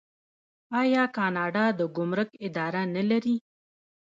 آیا کاناډا د ګمرک اداره نلري؟